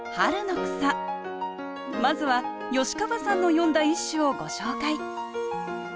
まずは吉川さんの詠んだ一首をご紹介